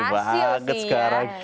oke banget sekarang